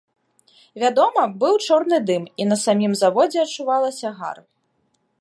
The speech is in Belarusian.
Вядома, быў чорны дым, і на самім заводзе адчувалася гар.